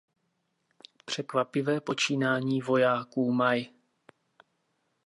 Překvapivé počínání vojáků Maj.